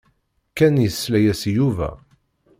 Ken yesla-as i Yuba.